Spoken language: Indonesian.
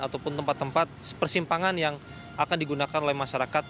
ataupun tempat tempat persimpangan yang akan digunakan oleh masyarakat